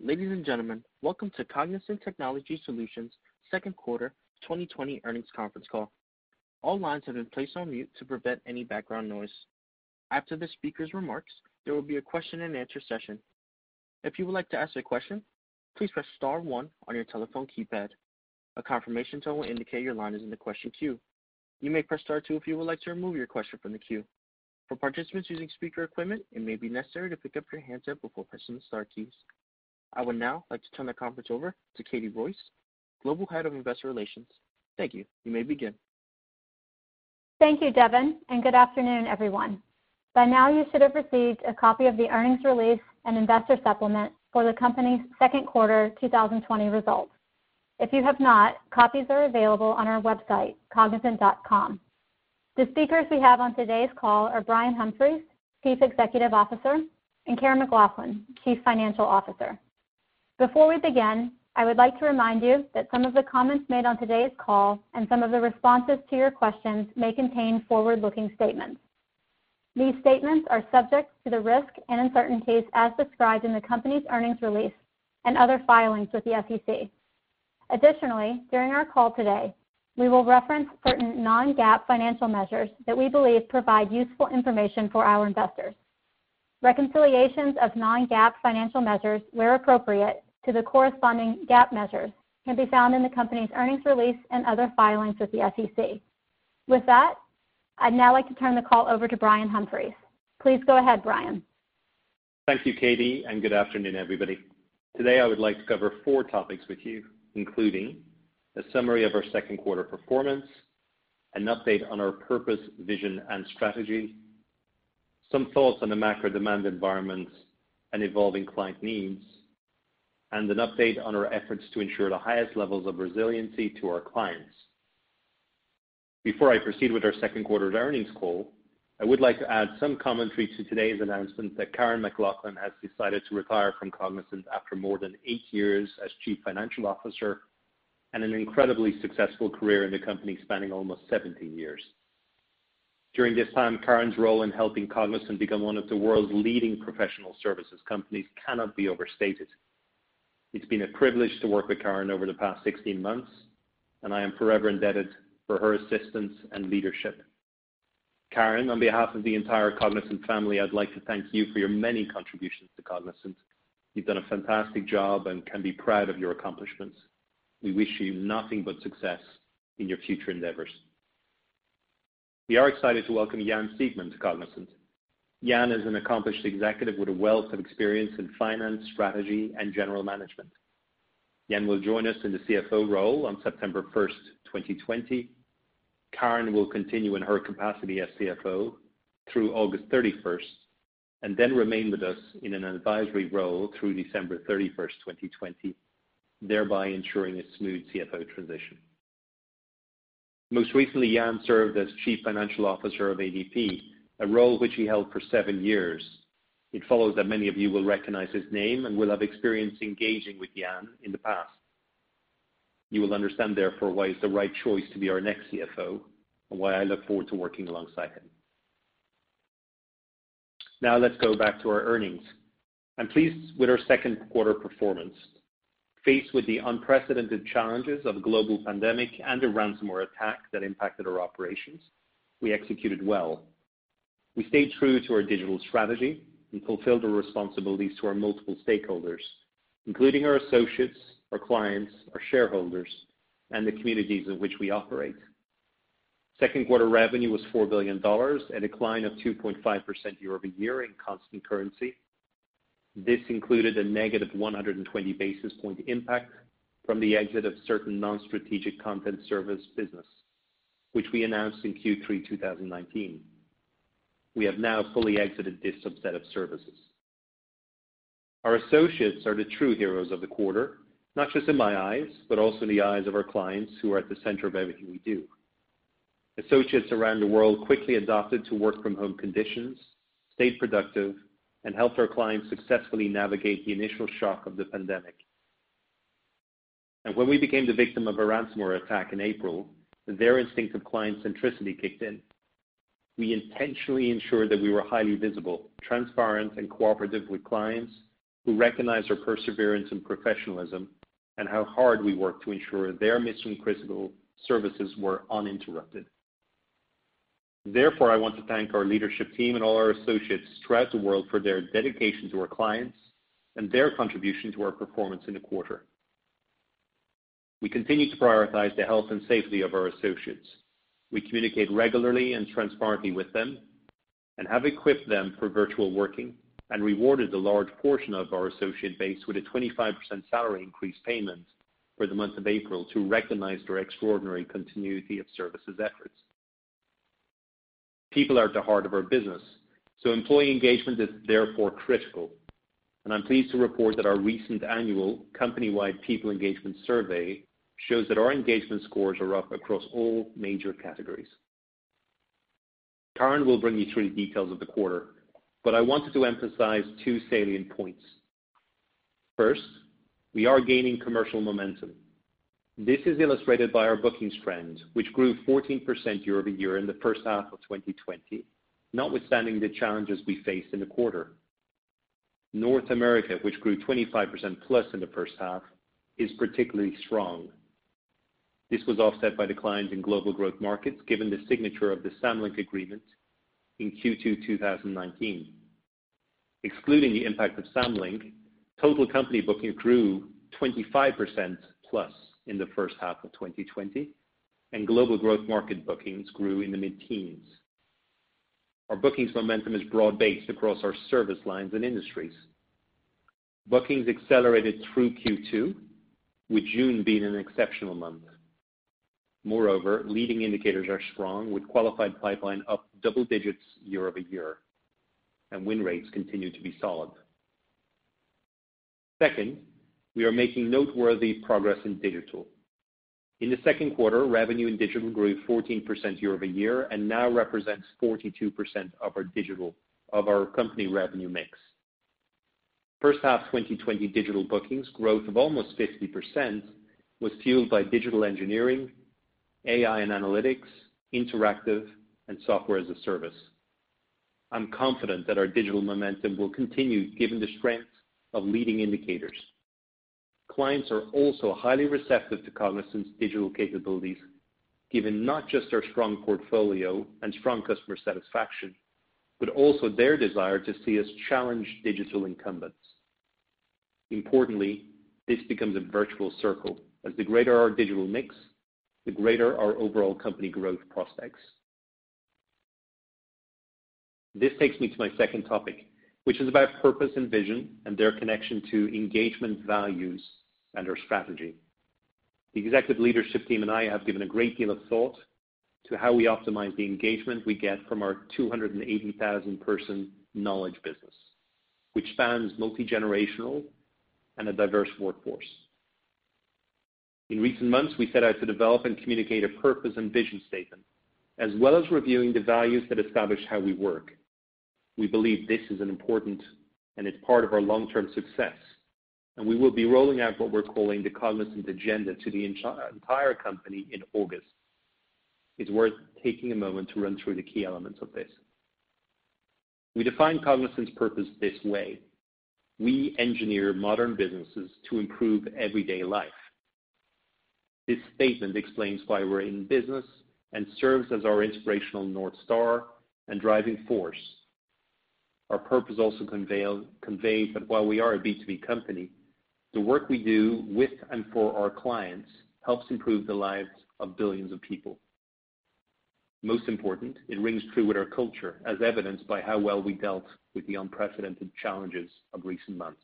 Ladies and gentlemen, welcome to Cognizant Technology Solutions' second quarter 2020 earnings conference call. All lines have been placed on mute to prevent any background noise. After the speaker's remarks, there will be a question and answer session. If you would like to ask a question, please press star one on your telephone keypad. A confirmation tone will indicate your line is in the question queue. You may press star two if you would like to remove your question from the queue. For participants using speaker equipment, it may be necessary to pick up your handset before pressing the star keys. I would now like to turn the conference over to Katie Royce, Global Head of Investor Relations. Thank you. You may begin. Thank you, Devin, and good afternoon, everyone. By now, you should have received a copy of the earnings release and investor supplement for the company's second quarter 2020 results. If you have not, copies are available on our website, cognizant.com. The speakers we have on today's call are Brian Humphries, Chief Executive Officer, and Karen McLoughlin, Chief Financial Officer. Before we begin, I would like to remind you that some of the comments made on today's call and some of the responses to your questions may contain forward-looking statements. These statements are subject to the risks and uncertainties as described in the company's earnings release and other filings with the SEC. Additionally, during our call today, we will reference certain non-GAAP financial measures that we believe provide useful information for our investors. Reconciliations of non-GAAP financial measures, where appropriate, to the corresponding GAAP measures can be found in the company's earnings release and other filings with the SEC. With that, I'd now like to turn the call over to Brian Humphries. Please go ahead, Brian. Thank you, Katie, and good afternoon, everybody. Today, I would like to cover four topics with you, including a summary of our second quarter performance, an update on our purpose, vision, and strategy, some thoughts on the macro demand environment and evolving client needs, and an update on our efforts to ensure the highest levels of resiliency to our clients. Before I proceed with our second quarter earnings call, I would like to add some commentary to today's announcement that Karen McLoughlin has decided to retire from Cognizant after more than eight years as Chief Financial Officer and an incredibly successful career in the company spanning almost 17 years. During this time, Karen's role in helping Cognizant become one of the world's leading professional services companies cannot be overstated. It's been a privilege to work with Karen over the past 16 months, and I am forever indebted for her assistance and leadership. Karen, on behalf of the entire Cognizant family, I'd like to thank you for your many contributions to Cognizant. You've done a fantastic job and can be proud of your accomplishments. We wish you nothing but success in your future endeavors. We are excited to welcome Jan Siegmund to Cognizant. Jan is an accomplished executive with a wealth of experience in finance, strategy, and general management. Jan will join us in the CFO role on September 1st, 2020. Karen will continue in her capacity as CFO through August 31st and then remain with us in an advisory role through December 31st, 2020, thereby ensuring a smooth CFO transition. Most recently, Jan served as Chief Financial Officer of ADP, a role which he held for seven years. It follows that many of you will recognize his name and will have experience engaging with Jan in the past. You will understand, therefore, why he's the right choice to be our next CFO and why I look forward to working alongside him. Let's go back to our earnings. I'm pleased with our second quarter performance. Faced with the unprecedented challenges of a global pandemic and a ransomware attack that impacted our operations, we executed well. We stayed true to our digital strategy and fulfilled our responsibilities to our multiple stakeholders, including our associates, our clients, our shareholders, and the communities in which we operate. Second quarter revenue was $4 billion, a decline of 2.5% year-over-year in constant currency. This included a -120 basis point impact from the exit of certain non-strategic content service business, which we announced in Q3 2019. We have now fully exited this subset of services. Our associates are the true heroes of the quarter, not just in my eyes, but also in the eyes of our clients who are at the center of everything we do. Associates around the world quickly adapted to work-from-home conditions, stayed productive, and helped our clients successfully navigate the initial shock of the pandemic. When we became the victim of a ransomware attack in April, their instinct of client centricity kicked in. We intentionally ensured that we were highly visible, transparent, and cooperative with clients who recognized our perseverance and professionalism and how hard we worked to ensure their mission-critical services were uninterrupted. Therefore, I want to thank our leadership team and all our associates throughout the world for their dedication to our clients and their contribution to our performance in the quarter. We continue to prioritize the health and safety of our associates. We communicate regularly and transparently with them and have equipped them for virtual working and rewarded a large portion of our associate base with a 25% salary increase payment for the month of April to recognize their extraordinary continuity of services efforts. People are at the heart of our business, so employee engagement is therefore critical, and I'm pleased to report that our recent annual company-wide people engagement survey shows that our engagement scores are up across all major categories. Karen will bring you through the details of the quarter, but I wanted to emphasize two salient points. First, we are gaining commercial momentum. This is illustrated by our bookings trend, which grew 14% year-over-year in the first half of 2020, notwithstanding the challenges we faced in the quarter. North America, which grew 25%+ in the first half, is particularly strong. This was offset by declines in Global Growth Markets given the signature of the Samlink agreement in Q2 2019. Excluding the impact of Samlink, total company booking grew 25%+ in the first half of 2020, and global growth market bookings grew in the mid-teens. Our bookings momentum is broad-based across our service lines and industries. Bookings accelerated through Q2, with June being an exceptional month. Moreover, leading indicators are strong with qualified pipeline up double digits year-over-year, and win rates continue to be solid. Second, we are making noteworthy progress in digital. In the second quarter, revenue and digital grew 14% year-over-year and now represents 42% of our company revenue mix. First half 2020 digital bookings growth of almost 50% was fueled by digital engineering, AI and analytics, Interactive, and Software as a Service. I'm confident that our digital momentum will continue given the strength of leading indicators. Clients are also highly receptive to Cognizant's digital capabilities, given not just our strong portfolio and strong customer satisfaction, but also their desire to see us challenge digital incumbents. Importantly, this becomes a virtual circle, as the greater our digital mix, the greater our overall company growth prospects. This takes me to my second topic, which is about purpose and vision and their connection to engagement values and our strategy. The executive leadership team and I have given a great deal of thought to how we optimize the engagement we get from our 280,000-person knowledge business, which spans multi-generational and a diverse workforce. In recent months, we set out to develop and communicate a purpose and vision statement, as well as reviewing the values that establish how we work. We believe this is important, and it's part of our long-term success, and we will be rolling out what we're calling the Cognizant Agenda to the entire company in August. It's worth taking a moment to run through the key elements of this. We define Cognizant's purpose this way: We engineer modern businesses to improve everyday life. This statement explains why we're in business and serves as our inspirational North Star and driving force. Our purpose also conveys that while we are a B2B company, the work we do with and for our clients helps improve the lives of billions of people. Most important, it rings true with our culture, as evidenced by how well we dealt with the unprecedented challenges of recent months.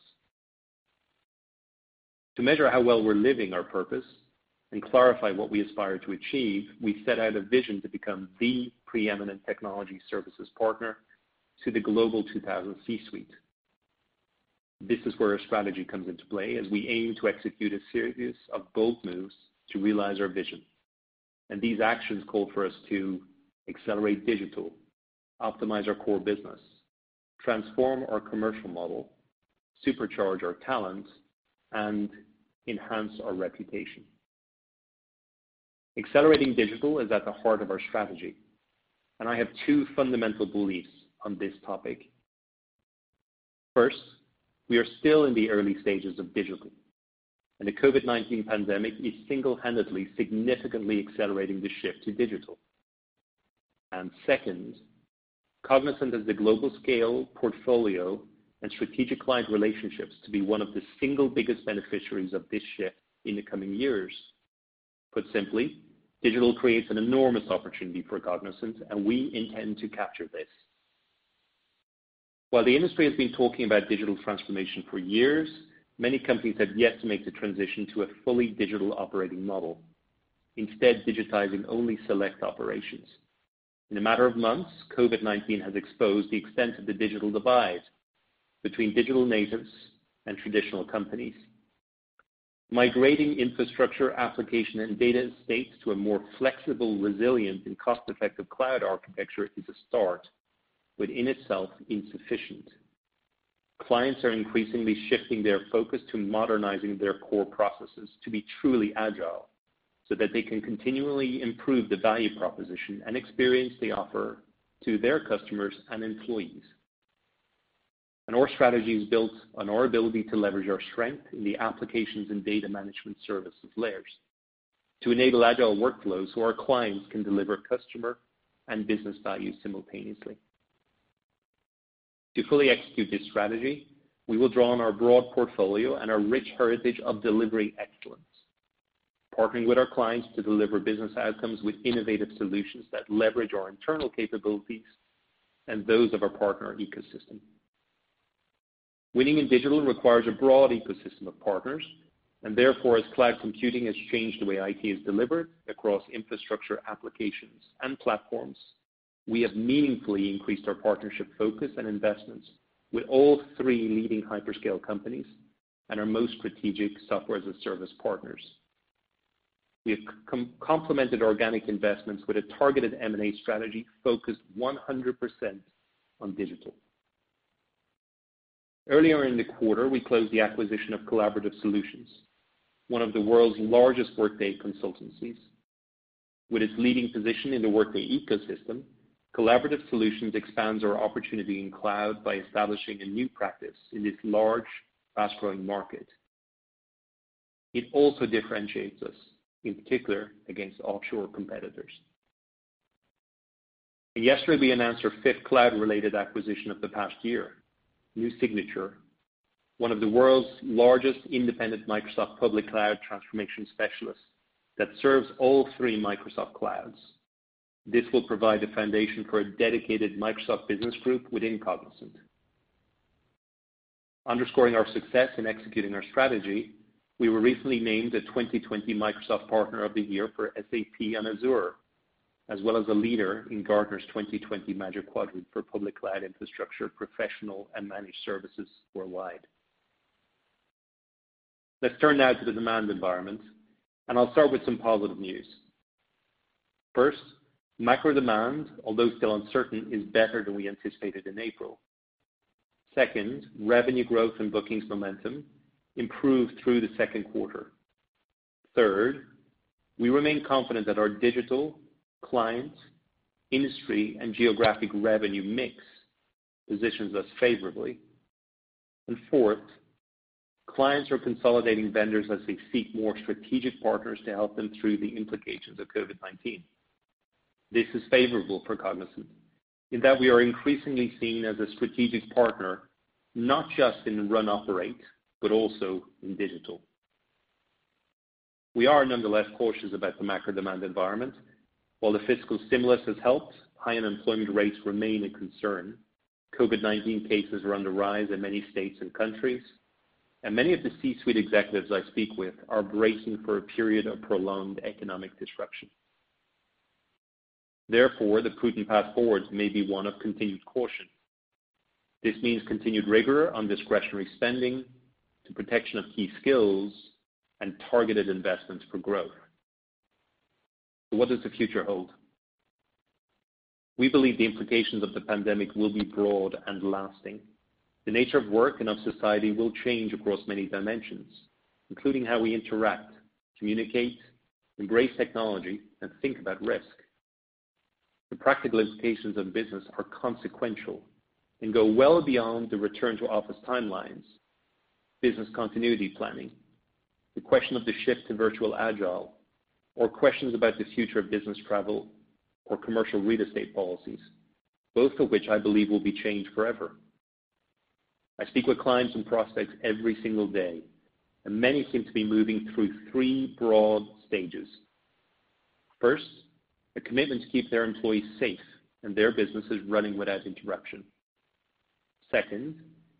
To measure how well we're living our purpose and clarify what we aspire to achieve, we set out a vision to become the preeminent technology services partner to the Global 2000 C-suite. This is where our strategy comes into play as we aim to execute a series of bold moves to realize our vision. These actions call for us to accelerate digital, optimize our core business, transform our commercial model, supercharge our talents, and enhance our reputation. Accelerating digital is at the heart of our strategy, and I have two fundamental beliefs on this topic. First, we are still in the early stages of digital, and the COVID-19 pandemic is single-handedly, significantly accelerating the shift to digital. Second, Cognizant has the global scale, portfolio, and strategic client relationships to be one of the single biggest beneficiaries of this shift in the coming years. Put simply, digital creates an enormous opportunity for Cognizant, and we intend to capture this. While the industry has been talking about digital transformation for years, many companies have yet to make the transition to a fully digital operating model, instead digitizing only select operations. In a matter of months, COVID-19 has exposed the extent of the digital divide between digital natives and traditional companies. Migrating infrastructure, application, and data estates to a more flexible, resilient, and cost-effective cloud architecture is a start, but in itself, insufficient. Clients are increasingly shifting their focus to modernizing their core processes to be truly agile, so that they can continually improve the value proposition and experience they offer to their customers and employees. Our strategy is built on our ability to leverage our strength in the applications and data management services layers to enable agile workflows so our clients can deliver customer and business value simultaneously. To fully execute this strategy, we will draw on our broad portfolio and our rich heritage of delivery excellence, partnering with our clients to deliver business outcomes with innovative solutions that leverage our internal capabilities and those of our partner ecosystem. Winning in digital requires a broad ecosystem of partners. Therefore, as cloud computing has changed the way IT is delivered across infrastructure, applications, and platforms, we have meaningfully increased our partnership focus and investments with all three leading hyperscale companies and our most strategic software as a service partners. We have complemented organic investments with a targeted M&A strategy focused 100% on digital. Earlier in the quarter, we closed the acquisition of Collaborative Solutions, one of the world's largest Workday consultancies. With its leading position in the Workday ecosystem, Collaborative Solutions expands our opportunity in cloud by establishing a new practice in this large, fast-growing market. It also differentiates us, in particular, against offshore competitors. Yesterday, we announced our fifth cloud-related acquisition of the past year, New Signature, one of the world's largest independent Microsoft public cloud transformation specialists that serves all three Microsoft clouds. This will provide a foundation for a dedicated Microsoft business group within Cognizant. Underscoring our success in executing our strategy, we were recently named the 2020 Microsoft Partner of the Year for SAP on Azure, as well as a leader in Gartner's 2020 Magic Quadrant for public cloud infrastructure, professional, and managed services worldwide. Let's turn now to the demand environment, and I'll start with some positive news. First, macro demand, although still uncertain, is better than we anticipated in April. Second, revenue growth and bookings momentum improved through the second quarter. Third, we remain confident that our digital clients, industry, and geographic revenue mix positions us favorably. Fourth, clients are consolidating vendors as they seek more strategic partners to help them through the implications of COVID-19. This is favorable for Cognizant in that we are increasingly seen as a strategic partner, not just in run operate, but also in digital. We are nonetheless cautious about the macro demand environment. While the fiscal stimulus has helped, high unemployment rates remain a concern. COVID-19 cases are on the rise in many states and countries, and many of the C-suite executives I speak with are bracing for a period of prolonged economic disruption. Therefore, the prudent path forwards may be one of continued caution. This means continued rigor on discretionary spending to protection of key skills and targeted investments for growth. What does the future hold? We believe the implications of the pandemic will be broad and lasting. The nature of work and of society will change across many dimensions, including how we interact, communicate, embrace technology, and think about risk. The practical implications on business are consequential and go well beyond the return-to-office timelines, business continuity planning, the question of the shift to virtual agile, or questions about the future of business travel or commercial real estate policies, both of which I believe will be changed forever. I speak with clients and prospects every single day, many seem to be moving through three broad stages. First, a commitment to keep their employees safe and their businesses running without interruption. Second,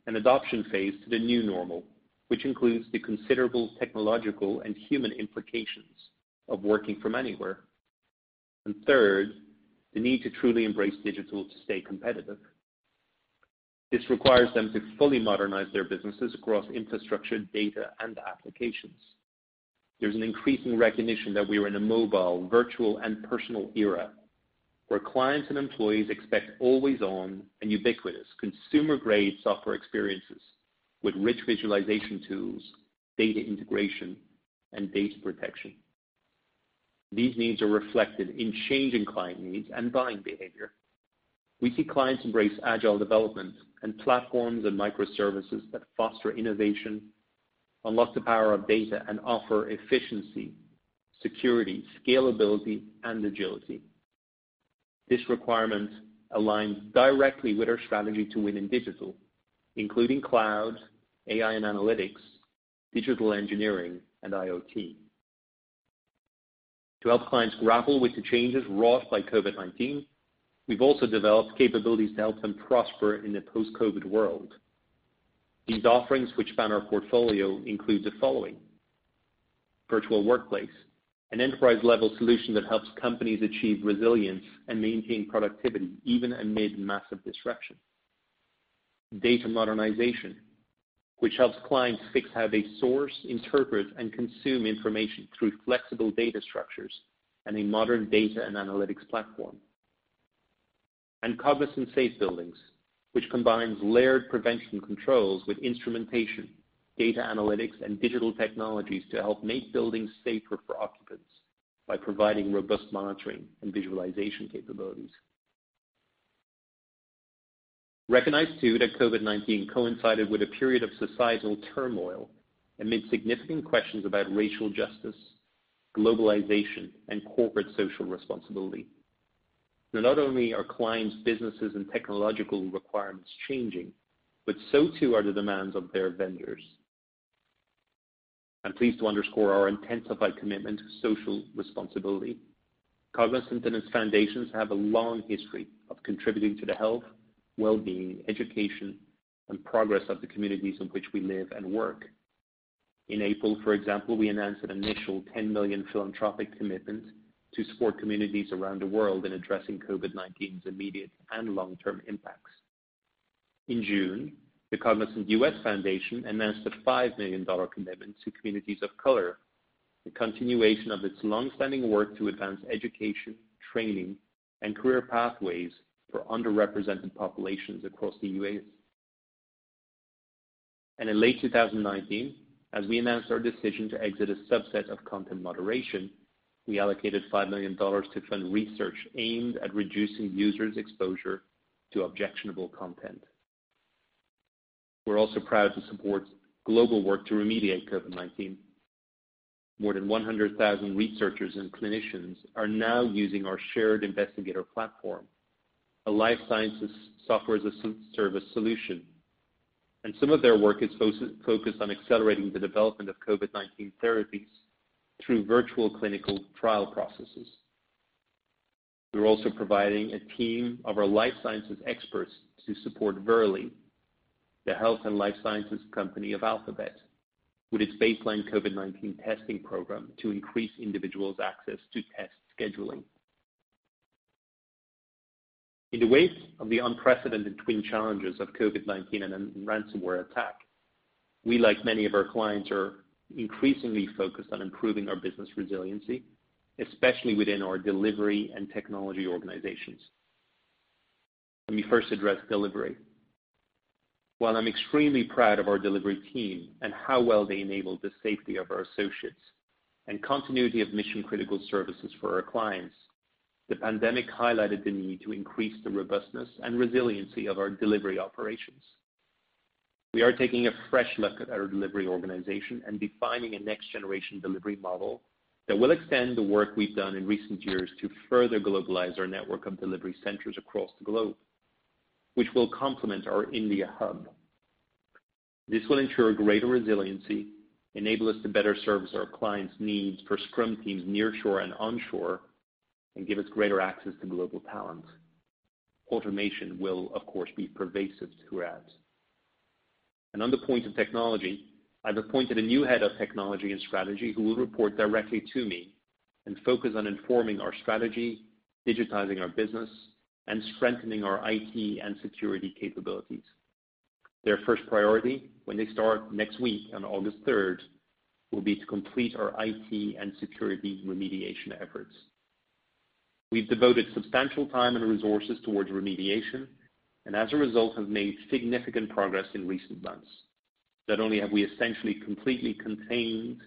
an adoption phase to the new normal, which includes the considerable technological and human implications of working from anywhere. Third, the need to truly embrace digital to stay competitive. This requires them to fully modernize their businesses across infrastructure, data, and applications. There's an increasing recognition that we are in a mobile, virtual, and personal era, where clients and employees expect always-on and ubiquitous consumer-grade software experiences with rich visualization tools, data integration, and data protection. These needs are reflected in changing client needs and buying behavior. We see clients embrace agile development and platforms and microservices that foster innovation, unlock the power of data, and offer efficiency, security, scalability, and agility. This requirement aligns directly with our strategy to win in digital, including cloud, AI and analytics, digital engineering, and IoT. To help clients grapple with the changes wrought by COVID-19, we've also developed capabilities to help them prosper in a post-COVID world. These offerings, which span our portfolio, include the following: Virtual Workplace, an enterprise-level solution that helps companies achieve resilience and maintain productivity even amid massive disruption. Data Modernization, which helps clients fix how they source, interpret, and consume information through flexible data structures and a modern data and analytics platform. Cognizant Safe Buildings, which combines layered prevention controls with instrumentation, data analytics, and digital technologies to help make buildings safer for occupants by providing robust monitoring and visualization capabilities. Recognize, too, that COVID-19 coincided with a period of societal turmoil amid significant questions about racial justice, globalization, and corporate social responsibility. Not only are clients' businesses and technological requirements changing, but so too are the demands of their vendors. I'm pleased to underscore our intensified commitment to social responsibility. Cognizant and its foundations have a long history of contributing to the health, well-being, education, and progress of the communities in which we live and work. In April, for example, we announced an initial $10 million philanthropic commitment to support communities around the world in addressing COVID-19's immediate and long-term impacts. In June, the Cognizant U.S. Foundation announced a $5 million commitment to communities of color. The continuation of its long-standing work to advance education, training, and career pathways for underrepresented populations across the U.S. In late 2019, as we announced our decision to exit a subset of content moderation, we allocated $5 million to fund research aimed at reducing users' exposure to objectionable content. We're also proud to support global work to remediate COVID-19. More than 100,000 researchers and clinicians are now using our Shared Investigator Platform, a life sciences software-as-a-service solution. Some of their work is focused on accelerating the development of COVID-19 therapies through virtual clinical trial processes. We're also providing a team of our life sciences experts to support Verily, the health and life sciences company of Alphabet, with its baseline COVID-19 testing program to increase individuals' access to test scheduling. In the wake of the unprecedented twin challenges of COVID-19 and a ransomware attack, we, like many of our clients, are increasingly focused on improving our business resiliency, especially within our delivery and technology organizations. Let me first address delivery. While I'm extremely proud of our delivery team and how well they enabled the safety of our associates and continuity of mission-critical services for our clients, the pandemic highlighted the need to increase the robustness and resiliency of our delivery operations. We are taking a fresh look at our delivery organization and defining a next-generation delivery model that will extend the work we've done in recent years to further globalize our network of delivery centers across the globe, which will complement our India hub. This will ensure greater resiliency, enable us to better service our clients' needs for scrum teams nearshore and onshore, and give us greater access to global talent. Automation will, of course, be pervasive throughout. On the point of technology, I've appointed a new Head of Technology and Strategy who will report directly to me and focus on informing our strategy, digitizing our business, and strengthening our IT and security capabilities. Their first priority when they start next week on August 3rd will be to complete our IT and security remediation efforts. We've devoted substantial time and resources towards remediation, and as a result, have made significant progress in recent months. Not only have we essentially completely contained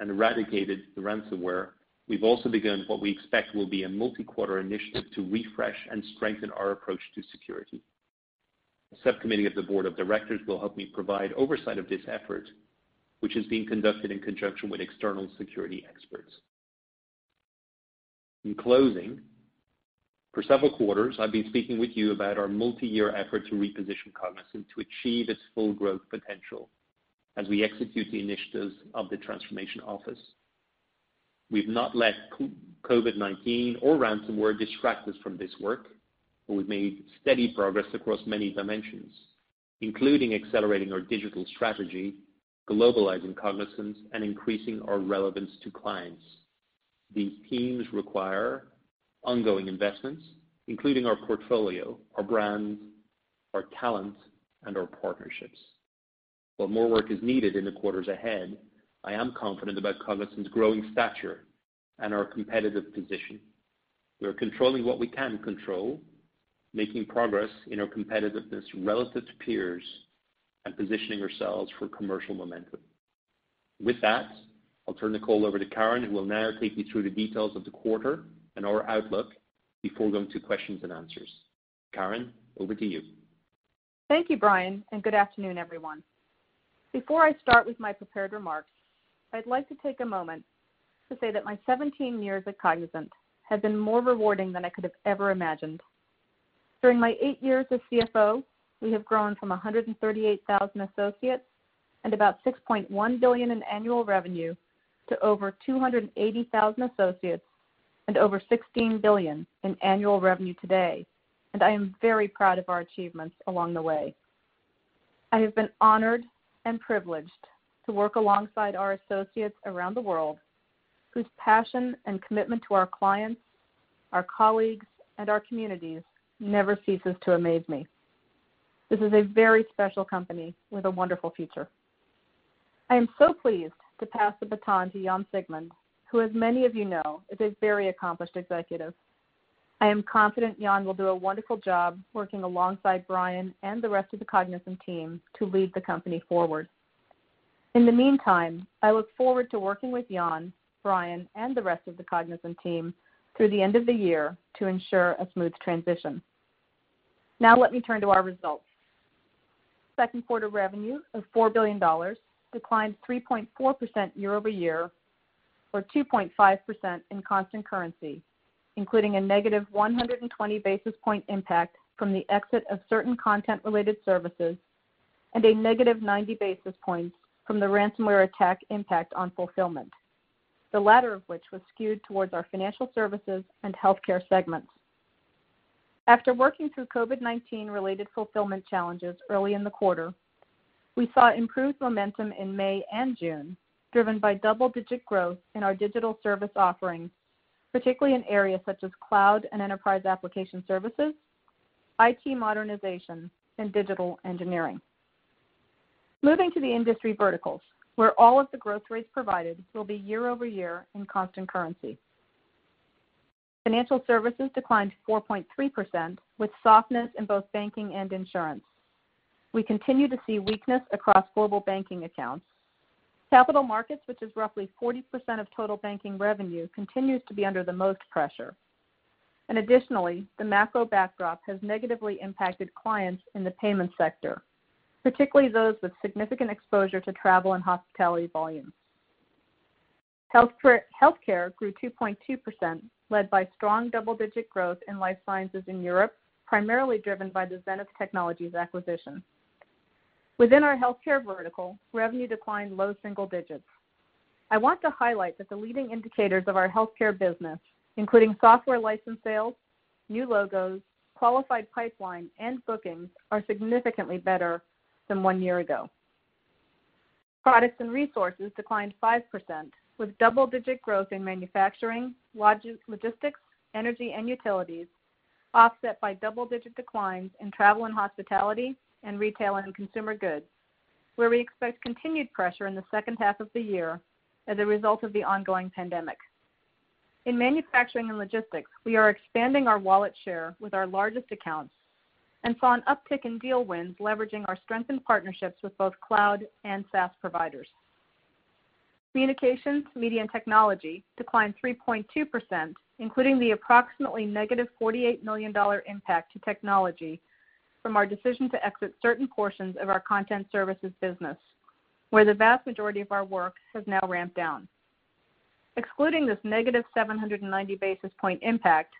and eradicated the ransomware, we've also begun what we expect will be a multi-quarter initiative to refresh and strengthen our approach to security. A subcommittee of the board of directors will help me provide oversight of this effort, which is being conducted in conjunction with external security experts. In closing, for several quarters, I've been speaking with you about our multi-year effort to reposition Cognizant to achieve its full growth potential as we execute the initiatives of the transformation office. We've not let COVID-19 or ransomware distract us from this work, and we've made steady progress across many dimensions, including accelerating our digital strategy, globalizing Cognizant, and increasing our relevance to clients. These themes require ongoing investments, including our portfolio, our brands, our talent, and our partnerships. While more work is needed in the quarters ahead, I am confident about Cognizant's growing stature and our competitive position. We are controlling what we can control, making progress in our competitiveness relative to peers, and positioning ourselves for commercial momentum. With that, I'll turn the call over to Karen, who will now take you through the details of the quarter and our outlook before going to questions and answers. Karen, over to you. Thank you, Brian, good afternoon, everyone. Before I start with my prepared remarks, I'd like to take a moment to say that my 17 years at Cognizant have been more rewarding than I could have ever imagined. During my eight years as CFO, we have grown from 138,000 associates and about $6.1 billion in annual revenue to over 280,000 associates and over $16 billion in annual revenue today, and I am very proud of our achievements along the way. I have been honored and privileged to work alongside our associates around the world, whose passion and commitment to our clients, our colleagues, and our communities never ceases to amaze me. This is a very special company with a wonderful future. I am so pleased to pass the baton to Jan Siegmund, who, as many of you know, is a very accomplished executive. I am confident Jan will do a wonderful job working alongside Brian and the rest of the Cognizant team to lead the company forward. In the meantime, I look forward to working with Jan, Brian, and the rest of the Cognizant team through the end of the year to ensure a smooth transition. Now let me turn to our results. Second quarter revenue of $4 billion, declined 3.4% year-over-year or 2.5% in constant currency, including a -120 basis point impact from the exit of certain content-related services and a -90 basis points from the ransomware attack impact on fulfillment, the latter of which was skewed towards our financial services and healthcare segments. After working through COVID-19-related fulfillment challenges early in the quarter, we saw improved momentum in May and June, driven by double-digit growth in our digital service offerings, particularly in areas such as cloud and enterprise application services, IT modernization, and digital engineering. Moving to the industry verticals, where all of the growth rates provided will be year-over-year in constant currency. Financial services declined 4.3%, with softness in both banking and insurance. We continue to see weakness across global banking accounts. Capital markets, which is roughly 40% of total banking revenue, continues to be under the most pressure. Additionally, the macro backdrop has negatively impacted clients in the payments sector, particularly those with significant exposure to travel and hospitality volumes. Healthcare grew 2.2%, led by strong double-digit growth in life sciences in Europe, primarily driven by the Zenith Technologies acquisition. Within our healthcare vertical, revenue declined low single-digits. I want to highlight that the leading indicators of our healthcare business, including software license sales, new logos, qualified pipeline, and bookings, are significantly better than one year ago. Products and resources declined 5%, with double-digit growth in manufacturing, logistics, energy, and utilities, offset by double-digit declines in travel and hospitality and retail and consumer goods, where we expect continued pressure in the second half of the year as a result of the ongoing pandemic. In manufacturing and logistics, we are expanding our wallet share with our largest accounts and saw an uptick in deal wins leveraging our strengthened partnerships with both cloud and SaaS providers. Communications, media, and technology declined 3.2%, including the approximately -$48 million impact to technology from our decision to exit certain portions of our content services business, where the vast majority of our work has now ramped down. Excluding this -790 basis point impact,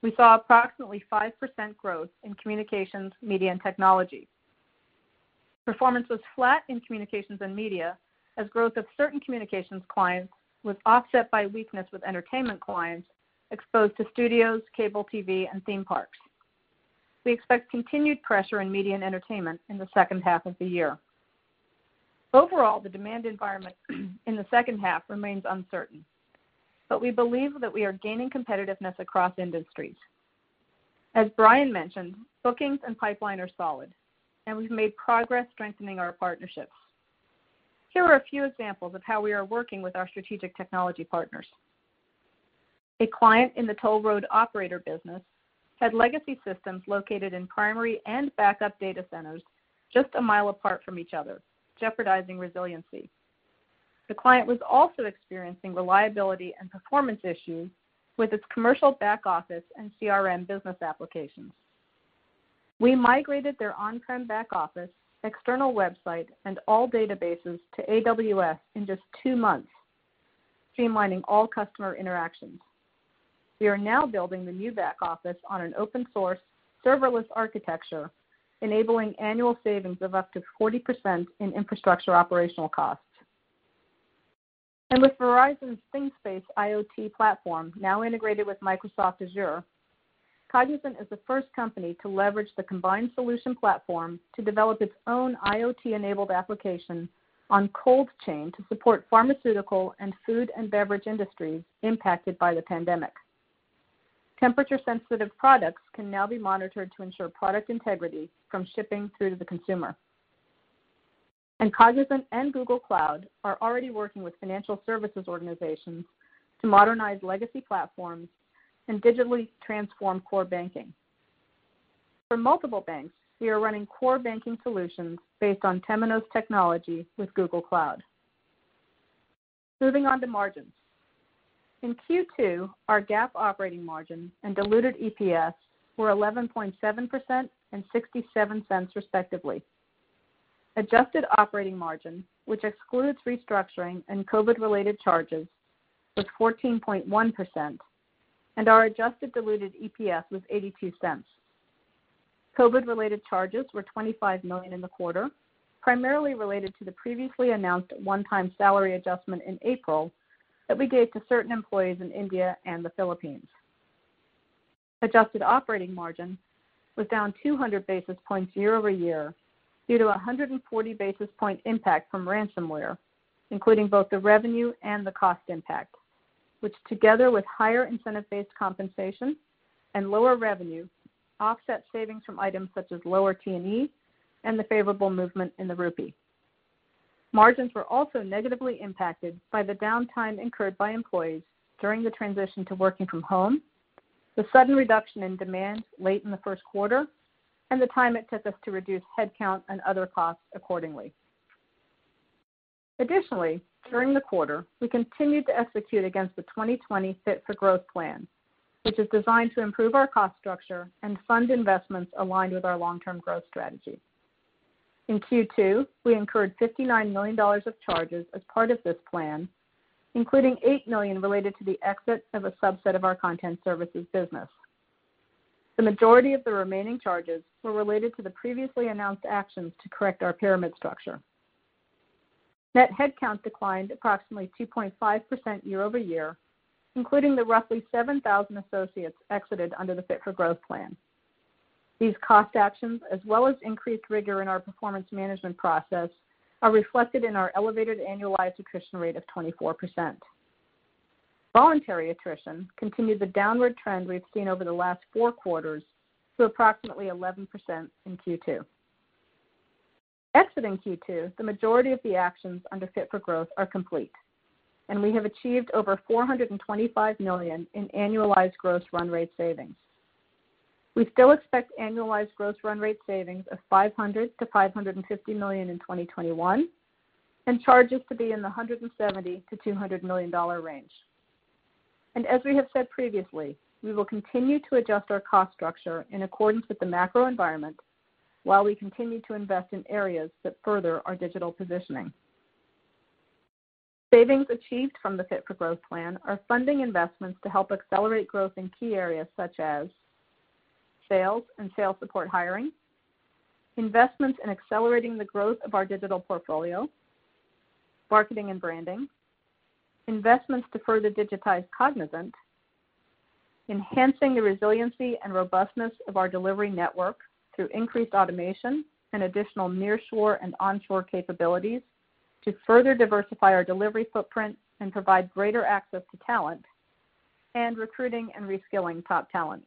we saw approximately 5% growth in communications, media, and technology. Performance was flat in communications and media, as growth of certain communications clients was offset by weakness with entertainment clients exposed to studios, cable TV, and theme parks. We expect continued pressure in media and entertainment in the second half of the year. Overall, the demand environment in the second half remains uncertain, but we believe that we are gaining competitiveness across industries. As Brian mentioned, bookings and pipeline are solid, and we've made progress strengthening our partnerships. Here are a few examples of how we are working with our strategic technology partners. A client in the toll road operator business had legacy systems located in primary and backup data centers just a mile apart from each other, jeopardizing resiliency. The client was also experiencing reliability and performance issues with its commercial back-office and CRM business applications. We migrated their on-prem back office, external website, and all databases to AWS in just two months, streamlining all customer interactions. We are now building the new back office on an open source, serverless architecture, enabling annual savings of up to 40% in infrastructure operational costs. With Verizon's ThingSpace IoT platform now integrated with Microsoft Azure, Cognizant is the first company to leverage the combined solution platform to develop its own IoT-enabled application on cold chain to support pharmaceutical and food and beverage industries impacted by the pandemic. Temperature-sensitive products can now be monitored to ensure product integrity from shipping through to the consumer. Cognizant and Google Cloud are already working with financial services organizations to modernize legacy platforms and digitally transform core banking. For multiple banks, we are running core banking solutions based on Temenos technology with Google Cloud. Moving on to margins. In Q2, our GAAP operating margin and diluted EPS were 11.7% and $0.67 respectively. Adjusted operating margin, which excludes restructuring and COVID-related charges, was 14.1%, and our adjusted diluted EPS was $0.82. COVID-related charges were $25 million in the quarter, primarily related to the previously announced one-time salary adjustment in April that we gave to certain employees in India and the Philippines. Adjusted operating margin was down 200 basis points year-over-year due to 140 basis point impact from ransomware, including both the revenue and the cost impact, which together with higher incentive-based compensation and lower revenue, offset savings from items such as lower T&E and the favorable movement in the rupee. Margins were also negatively impacted by the downtime incurred by employees during the transition to working from home, the sudden reduction in demand late in the first quarter, and the time it took us to reduce headcount and other costs accordingly. Additionally, during the quarter, we continued to execute against the 2020 Fit for Growth plan, which is designed to improve our cost structure and fund investments aligned with our long-term growth strategy. In Q2, we incurred $59 million of charges as part of this plan, including $8 million related to the exit of a subset of our content services business. The majority of the remaining charges were related to the previously announced actions to correct our pyramid structure. Net headcount declined approximately 2.5% year-over-year, including the roughly 7,000 associates exited under the Fit for Growth plan. These cost actions, as well as increased rigor in our performance management process, are reflected in our elevated annualized attrition rate of 24%. Voluntary attrition continued the downward trend we've seen over the last four quarters to approximately 11% in Q2. Exiting Q2, the majority of the actions under Fit for Growth are complete, and we have achieved over $425 million in annualized gross run rate savings. We still expect annualized gross run rate savings of $500 million-$550 million in 2021, and charges to be in the $170 million-$200 million range. As we have said previously, we will continue to adjust our cost structure in accordance with the macro environment while we continue to invest in areas that further our digital positioning. Savings achieved from the Fit for Growth plan are funding investments to help accelerate growth in key areas such as sales and sales support hiring, investments in accelerating the growth of our digital portfolio, marketing and branding, investments to further digitize Cognizant, enhancing the resiliency and robustness of our delivery network through increased automation and additional nearshore and onshore capabilities to further diversify our delivery footprint and provide greater access to talent, and recruiting and reskilling top talent.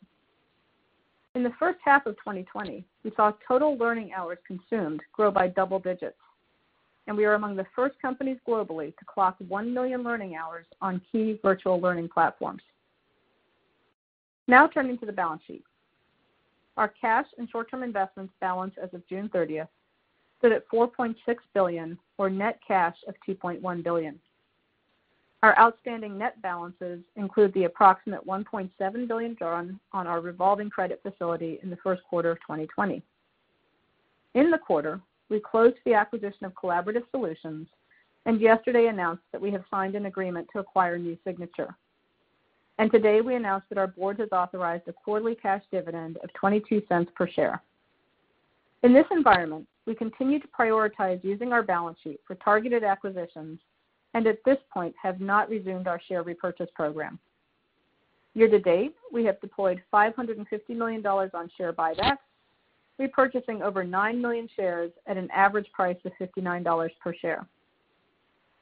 In the first half of 2020, we saw total learning hours consumed grow by double-digits, and we are among the first companies globally to clock 1 million learning hours on key virtual learning platforms. Now turning to the balance sheet. Our cash and short-term investments balance as of June 30th stood at $4.6 billion, or net cash of $2.1 billion. Our outstanding net balances include the approximate $1.7 billion drawn on our revolving credit facility in the first quarter of 2020. In the quarter, we closed the acquisition of Collaborative Solutions and yesterday announced that we have signed an agreement to acquire New Signature. Today we announced that our board has authorized a quarterly cash dividend of $0.22 per share. In this environment, we continue to prioritize using our balance sheet for targeted acquisitions and at this point have not resumed our share repurchase program. Year to date, we have deployed $550 million on share buybacks, repurchasing over 9 million shares at an average price of $59 per share.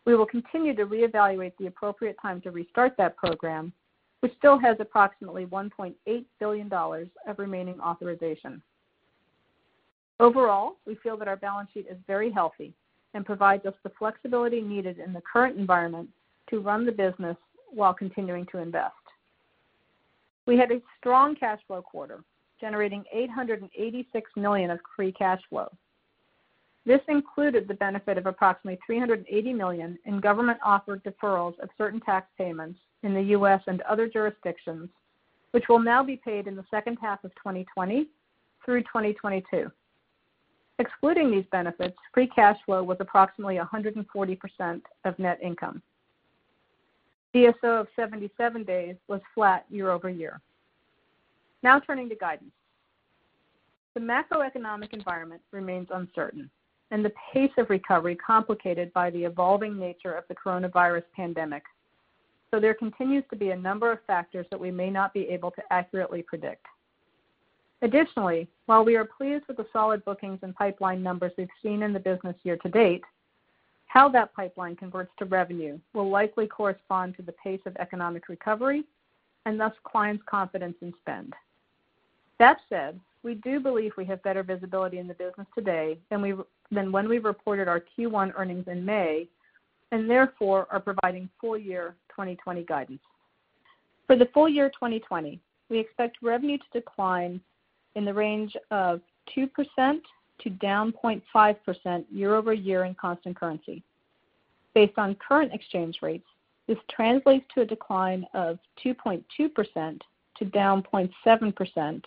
We will continue to reevaluate the appropriate time to restart that program, which still has approximately $1.8 billion of remaining authorization. Overall, we feel that our balance sheet is very healthy and provides us the flexibility needed in the current environment to run the business while continuing to invest. We had a strong cash flow quarter, generating $886 million of free cash flow. This included the benefit of approximately $380 million in government-offered deferrals of certain tax payments in the U.S. and other jurisdictions, which will now be paid in the second half of 2020 through 2022. Excluding these benefits, free cash flow was approximately 140% of net income. DSO of 77 days was flat year-over-year. Now turning to guidance. The macroeconomic environment remains uncertain and the pace of recovery complicated by the evolving nature of the COVID-19 pandemic, so there continues to be a number of factors that we may not be able to accurately predict. Additionally, while we are pleased with the solid bookings and pipeline numbers we've seen in the business year to date, how that pipeline converts to revenue will likely correspond to the pace of economic recovery and thus clients' confidence in spend. That said, we do believe we have better visibility in the business today than when we reported our Q1 earnings in May and therefore are providing full year 2020 guidance. For the full year 2020, we expect revenue to decline in the range of 2% to down 0.5% year-over-year in constant currency. Based on current exchange rates, this translates to a decline of 2.2% to down 0.7%,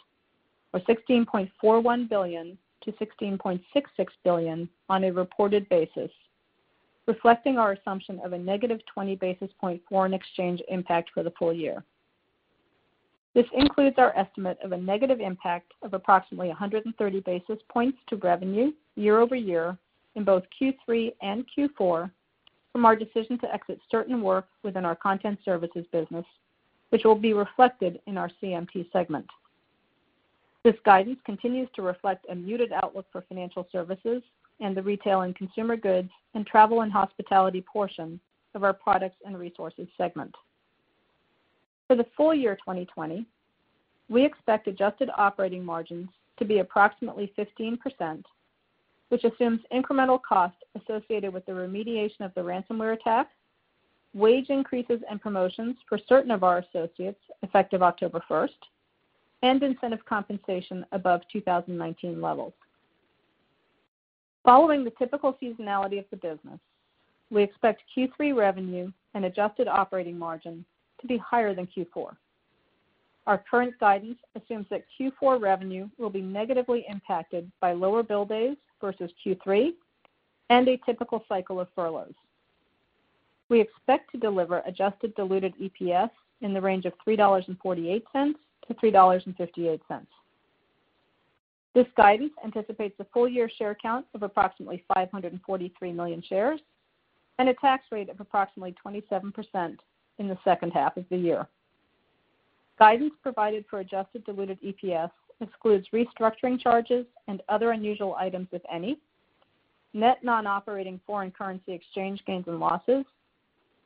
or $16.41 billion-$16.66 billion on a reported basis, reflecting our assumption of a -20 basis point foreign exchange impact for the full year. This includes our estimate of a negative impact of approximately 130 basis points to revenue year-over-year in both Q3 and Q4 from our decision to exit certain work within our content services business, which will be reflected in our CMT segment. This guidance continues to reflect a muted outlook for financial services and the retail and consumer goods and travel and hospitality portion of our Products and Resources segment. For the full year 2020, we expect adjusted operating margins to be approximately 15%, which assumes incremental costs associated with the remediation of the ransomware attack, wage increases and promotions for certain of our associates effective October 1st, and incentive compensation above 2019 levels. Following the typical seasonality of the business, we expect Q3 revenue and adjusted operating margin to be higher than Q4. Our current guidance assumes that Q4 revenue will be negatively impacted by lower bill days versus Q3 and a typical cycle of furloughs. We expect to deliver adjusted diluted EPS in the range of $3.48-$3.58. This guidance anticipates a full-year share count of approximately 543 million shares and a tax rate of approximately 27% in the second half of the year. Guidance provided for adjusted diluted EPS excludes restructuring charges and other unusual items, if any, net non-operating foreign currency exchange gains and losses,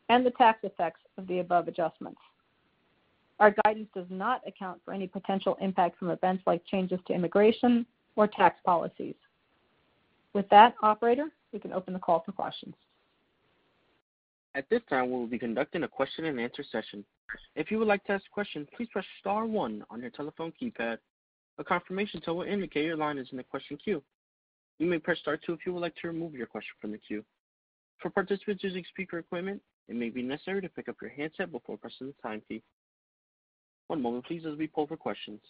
and the tax effects of the above adjustments. Our guidance does not account for any potential impact from events like changes to immigration or tax policies. With that, operator, we can open the call for questions. At this time, we will be conducting a question and answer session. If you would like to ask a question, please press star one on your telephone keypad. A confirmation tone will indicate your line is in the question queue. You may press star two if you would like to remove your question from the queue. For participants using speaker equipment, it may be necessary to pick up your handset before pressing the pound key. One moment please, as we poll for questions.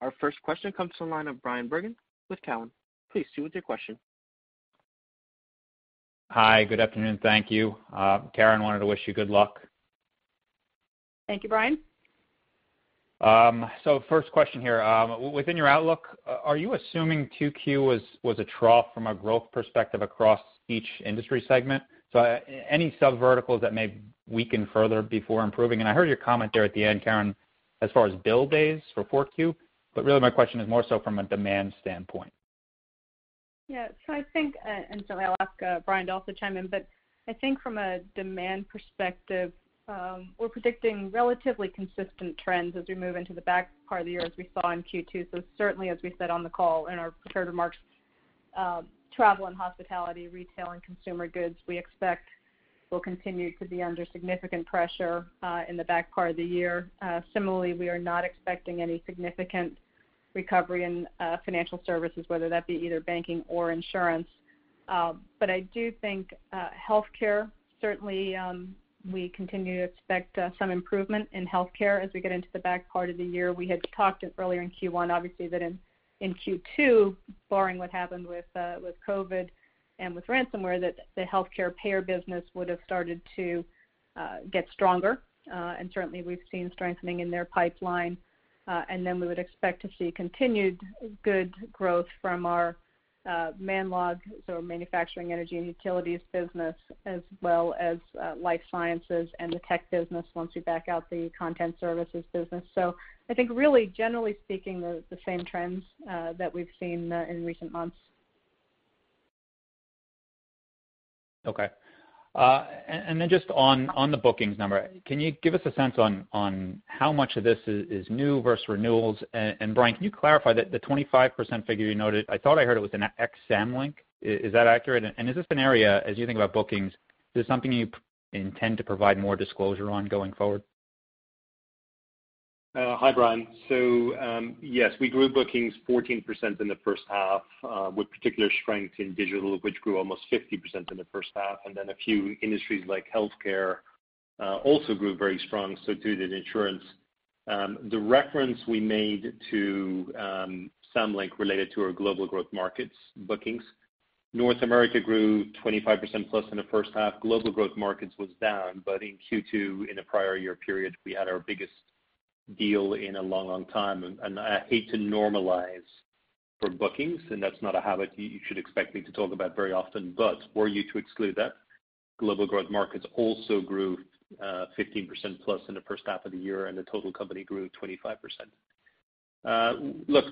Our first question comes from the line of Bryan Bergin with Cowen. Please proceed with your question. Hi. Good afternoon. Thank you. Karen, I wanted to wish you good luck. Thank you, Bryan. First question here. Within your outlook, are you assuming 2Q was a trough from a growth perspective across each industry segment? Any sub verticals that may weaken further before improving? I heard your comment there at the end, Karen, as far as bill days for 4Q, but really my question is more so from a demand standpoint. Yeah. I think, and certainly I'll ask Brian to also chime in, but I think from a demand perspective, we're predicting relatively consistent trends as we move into the back part of the year as we saw in Q2. Certainly as we said on the call in our prepared remarks, travel and hospitality, retail, and consumer goods, we expect will continue to be under significant pressure in the back part of the year. Similarly, we are not expecting any significant recovery in financial services, whether that be either banking or insurance. I do think healthcare, certainly, we continue to expect some improvement in healthcare as we get into the back part of the year. We had talked earlier in Q1 obviously that in Q2, barring what happened with COVID-19 and with ransomware, that the healthcare payer business would've started to get stronger. Certainly, we've seen strengthening in their pipeline. Then we would expect to see continued good growth from our MANLOG, so our manufacturing, energy, and utilities business, as well as life sciences and the tech business once we back out the content services business. I think really generally speaking, the same trends that we've seen in recent months. Okay. Just on the bookings number, can you give us a sense on how much of this is new versus renewals? Brian, can you clarify that the 25% figure you noted, I thought I heard it was in Samlink. Is that accurate? Is this an area, as you think about bookings, is this something you intend to provide more disclosure on going forward? Hi, Bryan. Yes, we grew bookings 14% in the first half, with particular strength in digital, which grew almost 50% in the first half, and then a few industries like healthcare also grew very strong, so too did insurance. The reference we made to Samlink related to our Global Growth Markets bookings, North America grew 25%+ in the first half. Global Growth Markets was down, but in Q2, in the prior year period, we had our biggest deal in a long, long time. I hate to normalize for bookings, and that's not a habit you should expect me to talk about very often. Were you to exclude that, Global Growth Markets also grew 15%+ in the first half of the year, and the total company grew 25%.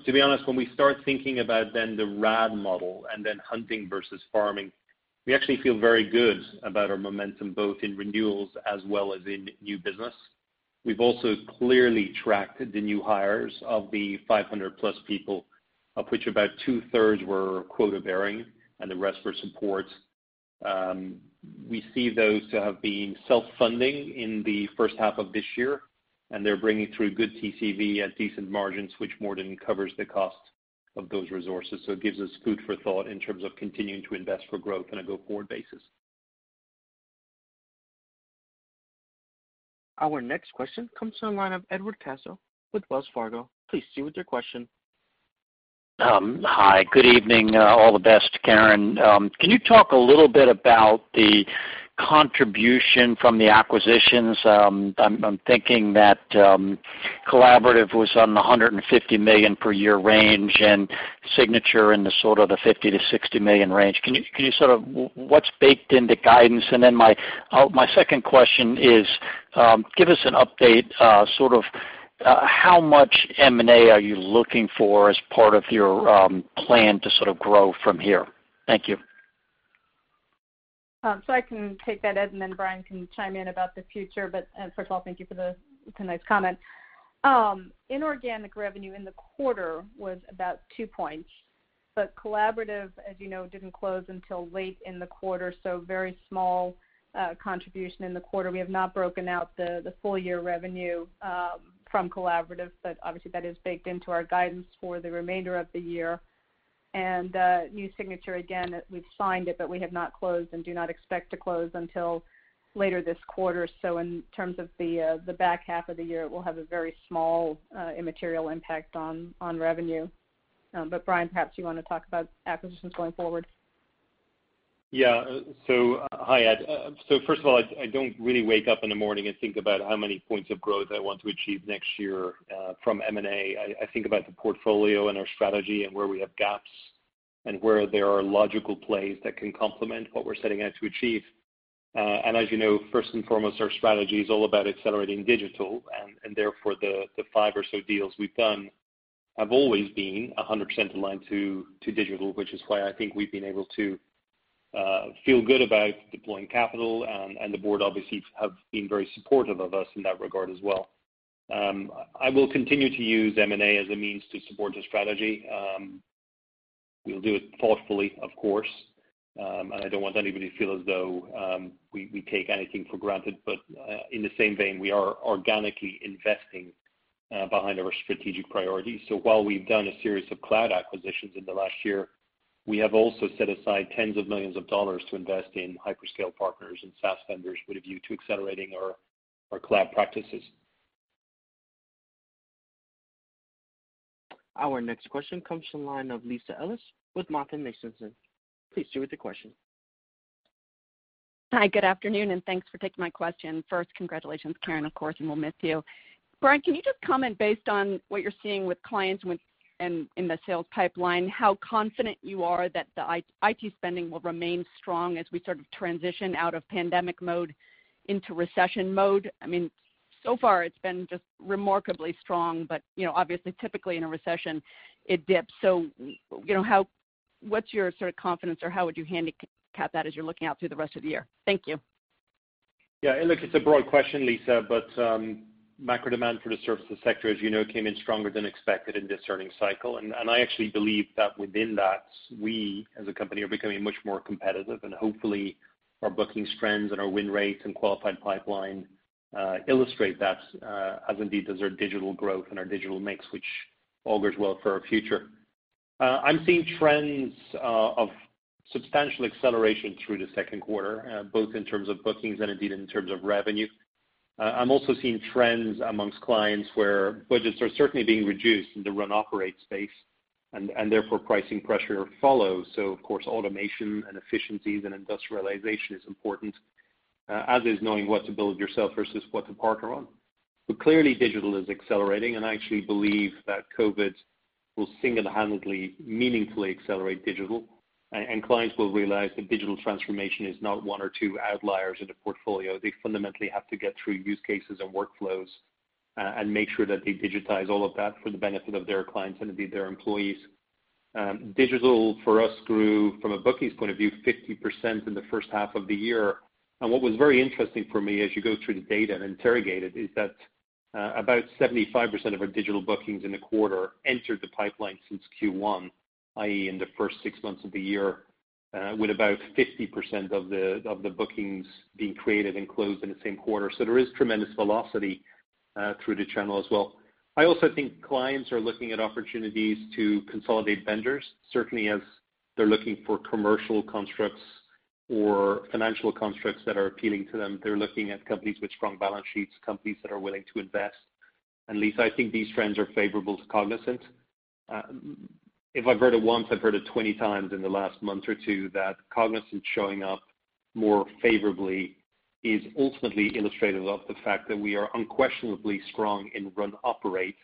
To be honest, when we start thinking about the RAD model and then hunting versus farming, we actually feel very good about our momentum, both in renewals as well as in new business. We've also clearly tracked the new hires of the 500+ people, of which about 2/3 were quota-bearing and the rest were support. We see those to have been self-funding in the first half of this year, and they're bringing through good TCV at decent margins, which more than covers the cost of those resources. It gives us food for thought in terms of continuing to invest for growth on a go-forward basis. Our next question comes to the line of Edward Caso with Wells Fargo. Please proceed with your question. Hi, good evening. All the best, Karen. Can you talk a little bit about the contribution from the acquisitions? I'm thinking that Collaborative was on the $150 million per year range, and Signature in the sort of the $50 million-$60 million range. What's baked into guidance? My second question is, give us an update, sort of how much M&A are you looking for as part of your plan to sort of grow from here? Thank you. I can take that, Ed, and then Brian can chime in about the future. First of all, thank you for the nice comment. Inorganic revenue in the quarter was about two points, but Collaborative, as you know, didn't close until late in the quarter, so very small contribution in the quarter. We have not broken out the full-year revenue from Collaborative, but obviously that is baked into our guidance for the remainder of the year. New Signature, again, we've signed it, but we have not closed and do not expect to close until later this quarter. In terms of the back half of the year, it will have a very small, immaterial impact on revenue. Brian, perhaps you want to talk about acquisitions going forward. Hi, Ed. First of all, I don't really wake up in the morning and think about how many points of growth I want to achieve next year from M&A. I think about the portfolio and our strategy and where we have gaps and where there are logical plays that can complement what we're setting out to achieve. As you know, first and foremost, our strategy is all about accelerating digital, and therefore, the five or so deals we've done have always been 100% aligned to digital, which is why I think we've been able to feel good about deploying capital, and the board obviously have been very supportive of us in that regard as well. I will continue to use M&A as a means to support the strategy. We'll do it thoughtfully, of course. I don't want anybody to feel as though we take anything for granted. In the same vein, we are organically investing behind our strategic priorities. While we've done a series of cloud acquisitions in the last year, we have also set aside tens of millions of dollars to invest in hyperscale partners and SaaS vendors with a view to accelerating our cloud practices. Our next question comes from the line of Lisa Ellis with MoffettNathanson. Please proceed with your question. Hi, good afternoon, and thanks for taking my question. First, congratulations, Karen, of course, and we'll miss you. Brian, can you just comment based on what you're seeing with clients and in the sales pipeline, how confident you are that the IT spending will remain strong as we sort of transition out of pandemic mode into recession mode? Far it's been just remarkably strong, but obviously, typically in a recession it dips. What's your sort of confidence, or how would you handicap that as you're looking out through the rest of the year? Thank you. Yeah. Look, it's a broad question, Lisa, but macro demand for the services sector, as you know, came in stronger than expected in this earning cycle. I actually believe that within that, we as a company are becoming much more competitive, and hopefully our bookings trends and our win rates and qualified pipeline illustrate that as indeed does our digital growth and our digital mix, which augurs well for our future. I'm seeing trends of substantial acceleration through the second quarter, both in terms of bookings and indeed in terms of revenue. I'm also seeing trends amongst clients where budgets are certainly being reduced in the run operate space, and therefore pricing pressure follows. Of course, automation and efficiencies and industrialization is important, as is knowing what to build yourself versus what to partner on. Clearly digital is accelerating. I actually believe that COVID will single-handedly meaningfully accelerate digital. Clients will realize that digital transformation is not one or two outliers in a portfolio. They fundamentally have to get through use cases and workflows, and make sure that they digitize all of that for the benefit of their clients and indeed their employees. Digital for us grew from a bookings point of view, 50% in the first half of the year. What was very interesting for me as you go through the data and interrogate it, is that about 75% of our digital bookings in the quarter entered the pipeline since Q1, i.e., in the first six months of the year, with about 50% of the bookings being created and closed in the same quarter. There is tremendous velocity through the channel as well. I also think clients are looking at opportunities to consolidate vendors, certainly as they're looking for commercial constructs or financial constructs that are appealing to them. They're looking at companies with strong balance sheets, companies that are willing to invest. Lisa, I think these trends are favorable to Cognizant. If I've heard it once, I've heard it 20x in the last month or two, that Cognizant showing up more favorably is ultimately illustrative of the fact that we are unquestionably strong in run operate,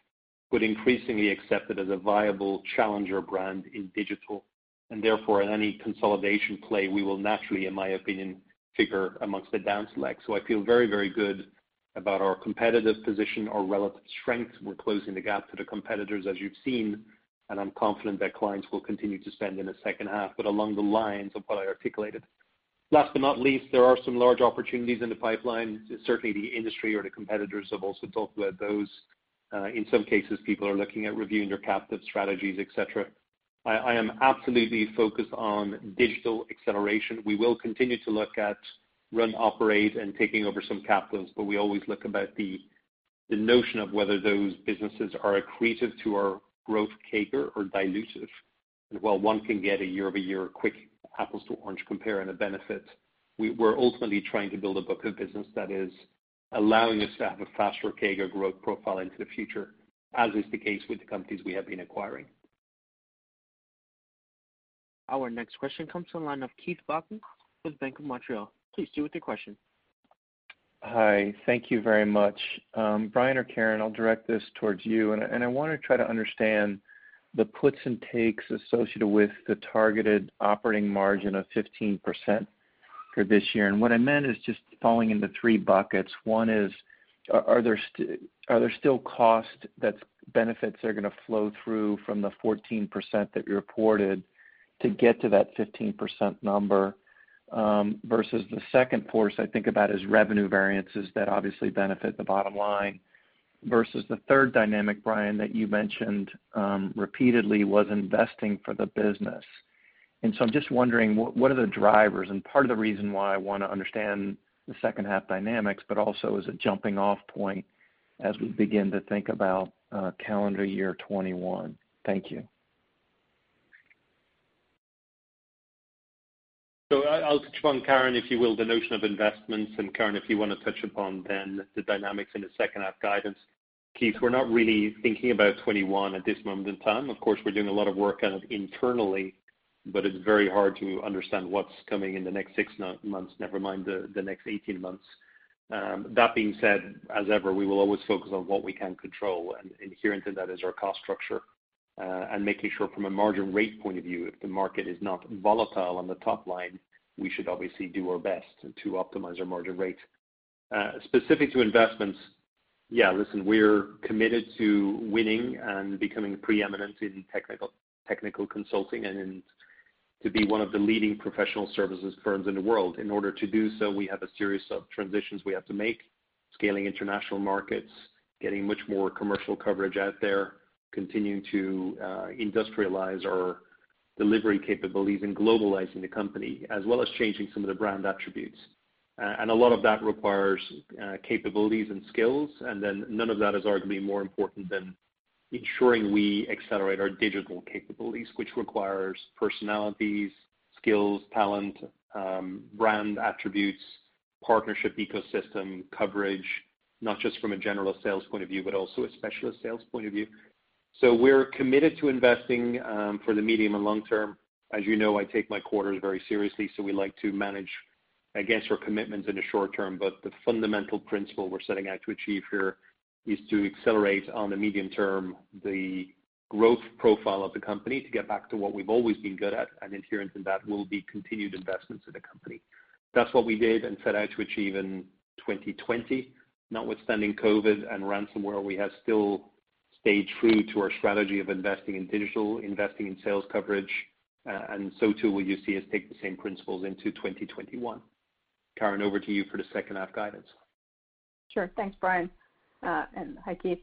but increasingly accepted as a viable challenger brand in digital. Therefore, in any consolidation play, we will naturally, in my opinion, figure amongst the down-select. I feel very good about our competitive position, our relative strength. We're closing the gap to the competitors, as you've seen, and I'm confident that clients will continue to spend in the second half, along the lines of what I articulated. Last but not least, there are some large opportunities in the pipeline. Certainly, the industry or the competitors have also talked about those. In some cases, people are looking at reviewing their captive strategies, et cetera. I am absolutely focused on digital acceleration. We will continue to look at run operate and taking over some captives, we always look about the notion of whether those businesses are accretive to our growth CAGR or dilutive. While one can get a year-over-year quick apples to oranges compare and a benefit, we're ultimately trying to build a book of business that is allowing us to have a faster CAGR growth profile into the future, as is the case with the companies we have been acquiring. Our next question comes to the line of Keith Bachman with Bank of Montreal. Please proceed with your question. Hi. Thank you very much. Brian or Karen, I'll direct this towards you, and I want to try to understand the puts and takes associated with the targeted operating margin of 15% for this year. What I meant is just falling into three buckets. One is, are there still cost that benefits are going to flow through from the 14% that you reported to get to that 15% number, versus the second force I think about is revenue variances that obviously benefit the bottom line, versus the third dynamic, Brian, that you mentioned repeatedly, was investing for the business. I'm just wondering, what are the drivers? Part of the reason why I want to understand the second half dynamics, but also as a jumping-off point as we begin to think about calendar year 2021. Thank you. I'll touch upon Karen, if you will, the notion of investments. Karen, if you want to touch upon the dynamics in the second half guidance. Keith, we're not really thinking about 2021 at this moment in time. Of course, we're doing a lot of work on it internally, but it's very hard to understand what's coming in the next six months, never mind the next 18 months. That being said, as ever, we will always focus on what we can control, and inherent in that is our cost structure. Making sure from a margin rate point of view, if the market is not volatile on the top line, we should obviously do our best to optimize our margin rate. Specific to investments, listen, we're committed to winning and becoming preeminent in technical consulting and to be one of the leading professional services firms in the world. In order to do so, we have a series of transitions we have to make. Scaling international markets, getting much more commercial coverage out there, continuing to industrialize our delivery capabilities, and globalizing the company, as well as changing some of the brand attributes. A lot of that requires capabilities and skills, and then none of that is arguably more important than ensuring we accelerate our digital capabilities, which requires personalities, skills, talent, brand attributes, partnership ecosystem coverage, not just from a general sales point of view, but also a specialist sales point of view. We're committed to investing for the medium and long-term. As you know, I take my quarters very seriously, so we like to manage against our commitments in the short-term. The fundamental principle we're setting out to achieve here is to accelerate on the medium term the growth profile of the company to get back to what we've always been good at, and adherence in that will be continued investments in the company. That's what we did and set out to achieve in 2020. Notwithstanding COVID and ransomware, we have still stayed true to our strategy of investing in digital, investing in sales coverage, too will you see us take the same principles into 2021. Karen, over to you for the second-half guidance. Sure. Thanks, Brian. Hi, Keith.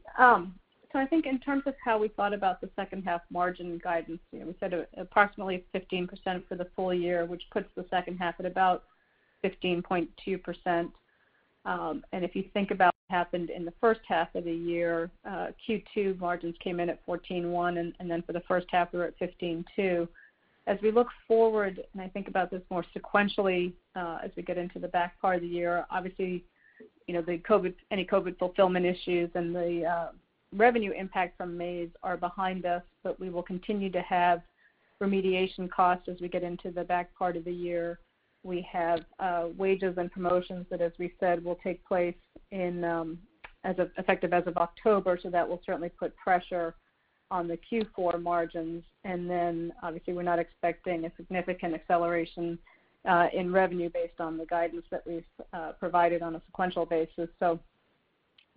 I think in terms of how we thought about the second half margin guidance, we said approximately 15% for the full year, which puts the second half at about 15.2%. If you think about what happened in the first half of the year, Q2 margins came in at 14.1%, for the first half, we were at 15.2%. As we look forward, I think about this more sequentially as we get into the back part of the year, obviously, any COVID-19 fulfillment issues and the revenue impact from Maze are behind us. We will continue to have remediation costs as we get into the back part of the year. We have wages and promotions that, as we said, will take place effective as of October. That will certainly put pressure on the Q4 margins. Obviously, we're not expecting a significant acceleration in revenue based on the guidance that we've provided on a sequential basis.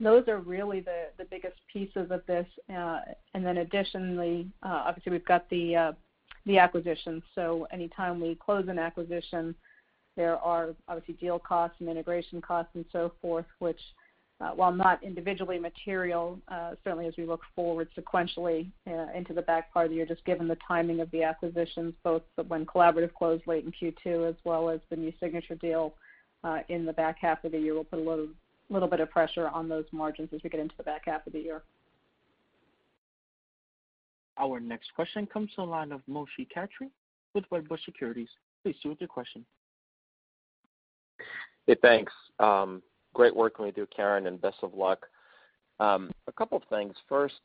Those are really the biggest pieces of this. Additionally, obviously, we've got the acquisitions. Any time we close an acquisition, there are obviously deal costs and integration costs and so forth, which while not individually material, certainly as we look forward sequentially into the back part of the year, just given the timing of the acquisitions, both when Collaborative closed late in Q2 as well as the New Signature deal in the back half of the year will put a little bit of pressure on those margins as we get into the back half of the year. Our next question comes to the line of Moshe Katri with Wedbush Securities. Please proceed with your question. Hey, thanks. Great work when you do, Karen, and best of luck. A couple of things. First,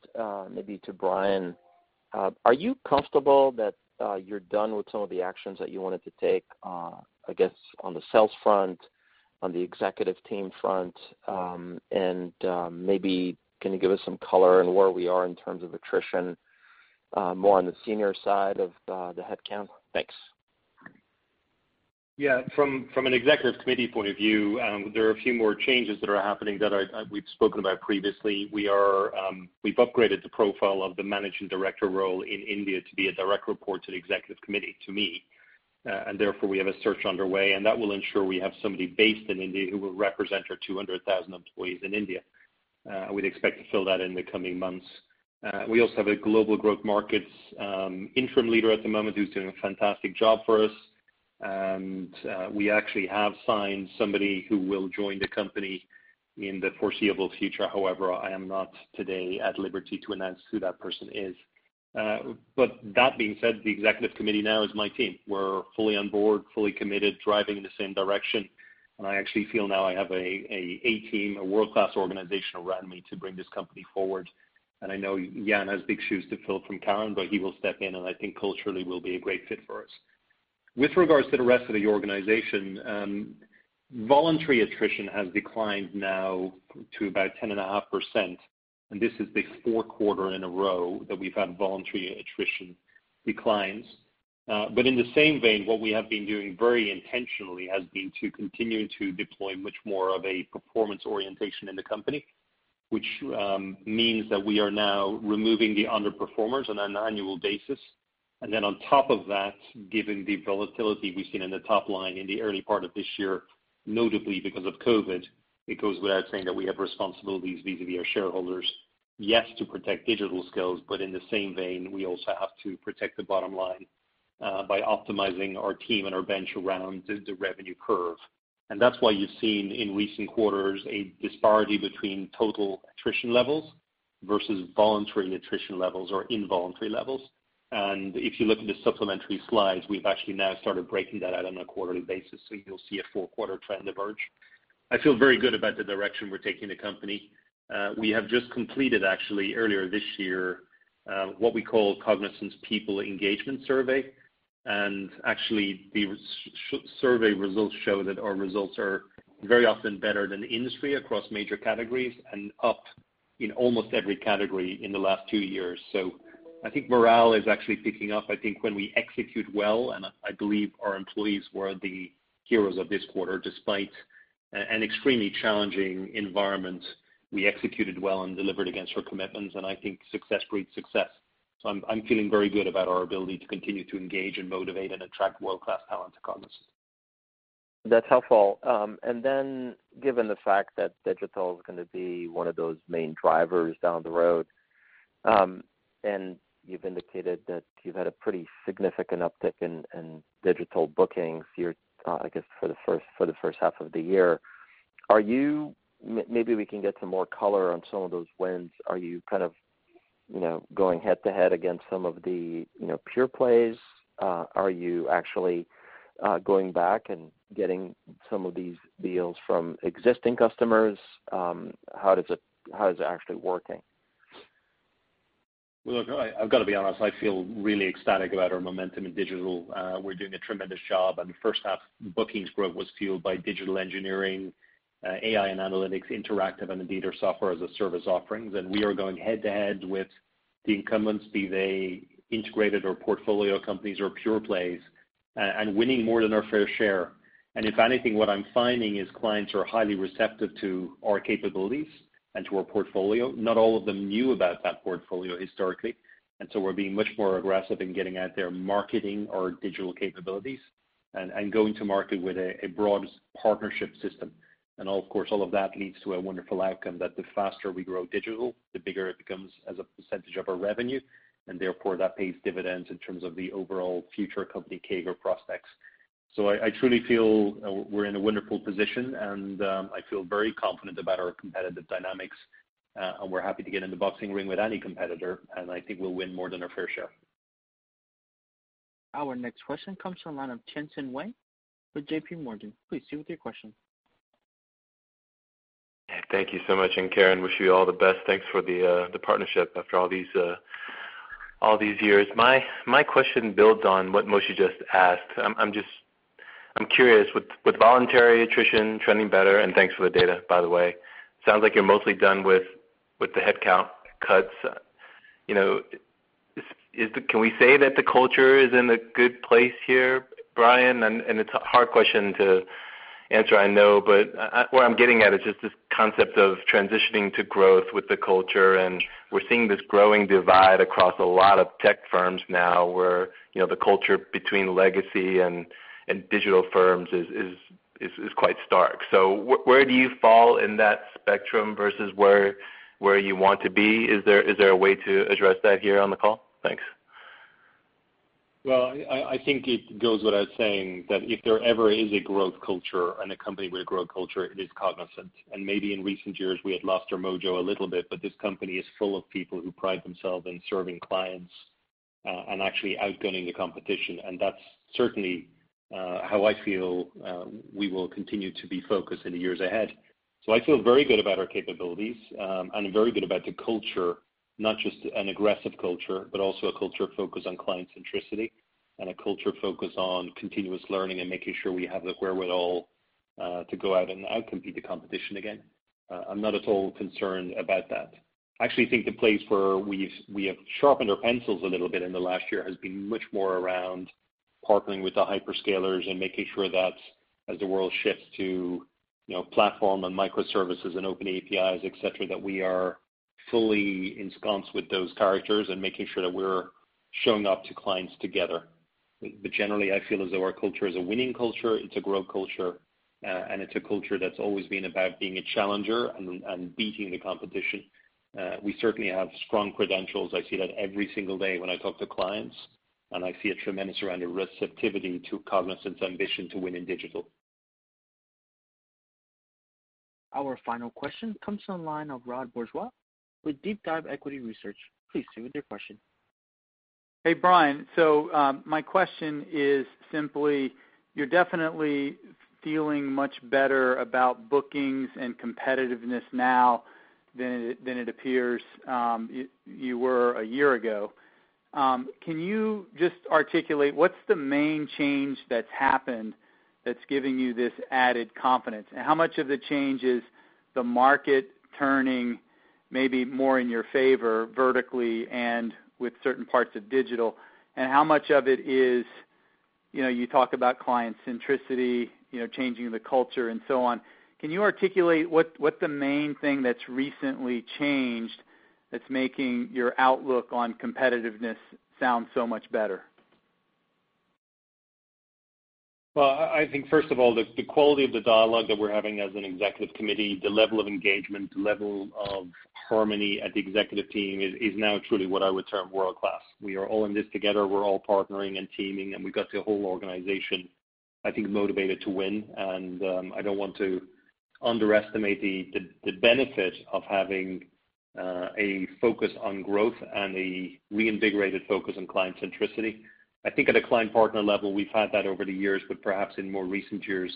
maybe to Brian, are you comfortable that you're done with some of the actions that you wanted to take, I guess, on the sales front, on the executive team front? Maybe, can you give us some color on where we are in terms of attrition more on the senior side of the headcount? Thanks. Yeah. From an Executive Committee point of view, there are a few more changes that are happening that we've spoken about previously. We've upgraded the profile of the managing director role in India to be a direct report to the Executive Committee, to me, and therefore, we have a search underway, and that will ensure we have somebody based in India who will represent our 200,000 employees in India. We'd expect to fill that in the coming months. We also have a Global Growth Markets interim leader at the moment who's doing a fantastic job for us. We actually have signed somebody who will join the company in the foreseeable future. However, I am not today at liberty to announce who that person is. That being said, the Executive Committee now is my team. We're fully on board, fully committed, driving in the same direction. I actually feel now I have a team, a world-class organization around me to bring this company forward. I know Jan has big shoes to fill from Karen, but he will step in, and I think culturally will be a great fit for us. With regards to the rest of the organization, voluntary attrition has declined now to about 10.5%, and this is the fourth quarter in a row that we've had voluntary attrition declines. In the same vein, what we have been doing very intentionally has been to continue to deploy much more of a performance orientation in the company, which means that we are now removing the underperformers on an annual basis. On top of that, given the volatility we've seen in the top line in the early part of this year, notably because of COVID-19, it goes without saying that we have responsibilities vis-à-vis our shareholders, yes, to protect digital skills, but in the same vein, we also have to protect the bottom line by optimizing our team and our bench around the revenue curve. That's why you've seen in recent quarters a disparity between total attrition levels versus voluntary attrition levels or involuntary levels. If you look in the supplementary slides, we've actually now started breaking that out on a quarterly basis, so you'll see a four-quarter trend emerge. I feel very good about the direction we're taking the company. We have just completed actually earlier this year, what we call Cognizant people engagement survey. Actually, the survey results show that our results are very often better than the industry across major categories and up in almost every category in the last two years. I think morale is actually picking up. I think when we execute well, and I believe our employees were the heroes of this quarter, despite an extremely challenging environment, we executed well and delivered against our commitments, and I think success breeds success. I'm feeling very good about our ability to continue to engage and motivate and attract world-class talent to Cognizant. That's helpful. Given the fact that digital is going to be one of those main drivers down the road, and you've indicated that you've had a pretty significant uptick in digital bookings, I guess, for the first half of the year. Maybe we can get some more color on some of those wins. Are you going head-to-head against some of the pure plays? Are you actually going back and getting some of these deals from existing customers? How is it actually working? Look, I've got to be honest, I feel really ecstatic about our momentum in digital. The first half bookings growth was fueled by digital engineering, AI and analytics, Interactive, and indeed our software-as-a-service offerings. We are going head-to-head with the incumbents, be they integrated or portfolio companies or pure plays, and winning more than our fair share. If anything, what I'm finding is clients are highly receptive to our capabilities and to our portfolio. Not all of them knew about that portfolio historically, we're being much more aggressive in getting out there, marketing our digital capabilities, and going to market with a broad partnership system. Of course, all of that leads to a wonderful outcome that the faster we grow digital, the bigger it becomes as a percent of our revenue, and therefore that pays dividends in terms of the overall future company CAGR prospects. I truly feel we're in a wonderful position, and I feel very confident about our competitive dynamics. We're happy to get in the boxing ring with any competitor, and I think we'll win more than our fair share. Our next question comes from the line of Tien-Tsin Huang with JPMorgan. Please proceed with your question. Thank you so much. Karen, wish you all the best. Thanks for the partnership after all these years. My question builds on what Moshe just asked. I'm curious, with voluntary attrition trending better, and thanks for the data, by the way, sounds like you're mostly done with the headcount cuts. Can we say that the culture is in a good place here, Brian? It's a hard question to answer, I know, but what I'm getting at is just this concept of transitioning to growth with the culture, and we're seeing this growing divide across a lot of tech firms now where the culture between legacy and digital firms is quite stark. Where do you fall in that spectrum versus where you want to be? Is there a way to address that here on the call? Thanks. Well, I think it goes without saying that if there ever is a growth culture and a company with a growth culture, it is Cognizant. Maybe in recent years, we had lost our mojo a little bit, but this company is full of people who pride themselves in serving clients, and actually outgunning the competition. That's certainly how I feel we will continue to be focused in the years ahead. I feel very good about our capabilities, and very good about the culture. Not just an aggressive culture, but also a culture focused on client centricity, and a culture focused on continuous learning and making sure we have the wherewithal to go out and out-compete the competition again. I'm not at all concerned about that. I actually think the place where we have sharpened our pencils a little bit in the last year has been much more around partnering with the hyperscalers and making sure that as the world shifts to platform and microservices and open APIs, et cetera, that we are fully ensconced with those characters and making sure that we're showing up to clients together. Generally, I feel as though our culture is a winning culture, it's a growth culture, and it's a culture that's always been about being a challenger and beating the competition. We certainly have strong credentials. I see that every single day when I talk to clients, and I see a tremendous amount of receptivity to Cognizant's ambition to win in digital. Our final question comes from the line of Rod Bourgeois with DeepDive Equity Research. Please proceed with your question. Hey, Brian. My question is simply, you're definitely feeling much better about bookings and competitiveness now than it appears you were a year ago. Can you just articulate what's the main change that's happened that's giving you this added confidence? How much of the change is the market turning maybe more in your favor vertically and with certain parts of digital, and how much of it is, you talk about client centricity, changing the culture, and so on. Can you articulate what the main thing that's recently changed that's making your outlook on competitiveness sound so much better? Well, I think first of all, the quality of the dialogue that we're having as an Executive Committee, the level of engagement, the level of harmony at the executive team is now truly what I would term world-class. We are all in this together. We're all partnering and teaming, and we've got the whole organization, I think, motivated to win. I don't want to underestimate the benefit of having a focus on growth and a reinvigorated focus on client centricity. I think at a client partner level, we've had that over the years, but perhaps in more recent years,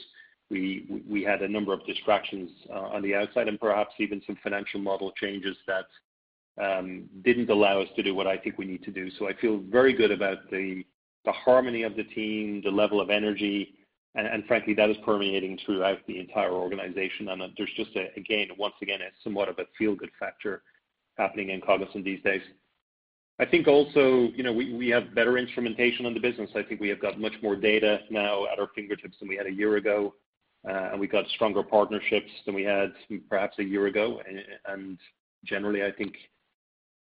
we had a number of distractions on the outside and perhaps even some financial model changes that didn't allow us to do what I think we need to do. I feel very good about the harmony of the team, the level of energy, and frankly, that is permeating throughout the entire organization. There's just, again, once again, somewhat of a feel-good factor happening in Cognizant these days. I think also, we have better instrumentation in the business. I think we have got much more data now at our fingertips than we had a year ago, and we got stronger partnerships than we had perhaps a year ago. Generally, I think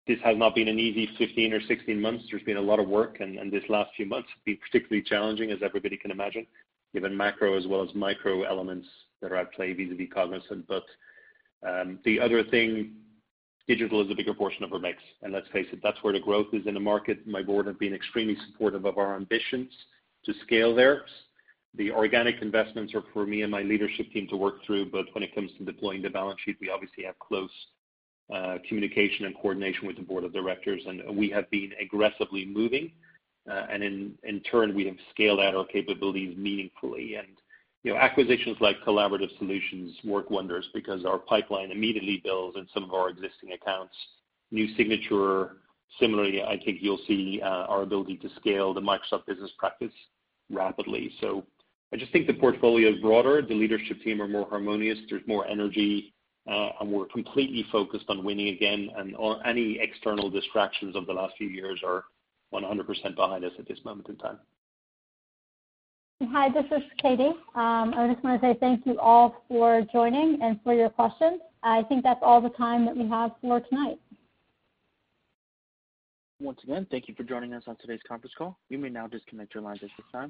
this has not been an easy 15 or 16 months. There's been a lot of work, and these last few months have been particularly challenging, as everybody can imagine, given macro as well as micro elements that are at play vis-a-vis Cognizant. The other thing, digital is a bigger portion of our mix. Let's face it, that's where the growth is in the market. My board have been extremely supportive of our ambitions to scale there. The organic investments are for me and my leadership team to work through, but when it comes to deploying the balance sheet, we obviously have close communication and coordination with the board of directors, and we have been aggressively moving. In turn, we have scaled out our capabilities meaningfully. Acquisitions like Collaborative Solutions work wonders because our pipeline immediately builds in some of our existing accounts. New Signature. Similarly, I think you'll see our ability to scale the Microsoft business practice rapidly. I just think the portfolio is broader. The leadership team are more harmonious. There's more energy. We're completely focused on winning again. Any external distractions over the last few years are 100% behind us at this moment in time. Hi, this is Katie. I just want to say thank you all for joining and for your questions. I think that's all the time that we have for tonight. Once again, thank you for joining us on today's conference call. You may now disconnect your lines at this time.